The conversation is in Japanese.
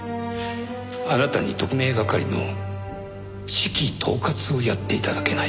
あなたに特命係の指揮統括をやって頂けないかと。